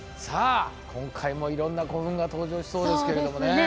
さあ今回もいろんな古墳が登場しそうですけれどもね。